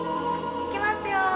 いきますよ